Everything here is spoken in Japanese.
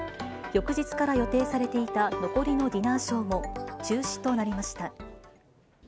翌日から予定されていた残りのディナーショーも中止となりました。